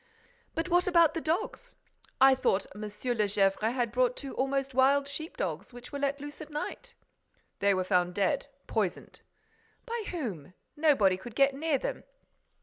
"But what about the dogs? I thought M. de Gesvres had bought two almost wild sheep dogs, which were let loose at night?" "They were found dead, poisoned." "By whom? Nobody could get near them."